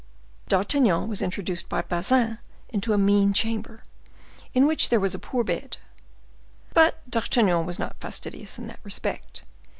D'Artagnan was introduced by Bazin into a mean chamber, in which there was a poor bed; but D'Artagnan was not fastidious in that respect.